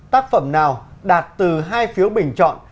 tác phẩm nào đạt từ hai phiếu bình chọn